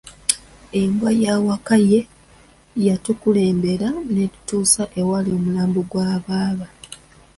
Embwa y’awaka ye yatukulembera n’etutuusa ewaali omulambo gwa baaba.